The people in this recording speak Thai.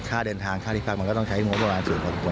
ค่าเดินทางค่าที่พักมันก็ต้องใช้ฟุตบอลภายใต้สูงของทุกคน